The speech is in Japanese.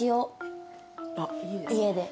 家で。